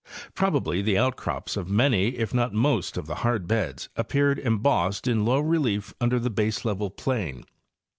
Probably the outcrops of many if not most of the hard beds appeared embossed in low relief upon the baseleveled plain.